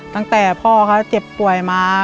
ตั้งแต่พ่อเขาเจ็บป่วยมา